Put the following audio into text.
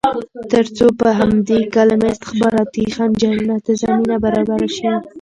ترڅو په همدې کلمه استخباراتي خنجرونو ته زمینه برابره شي.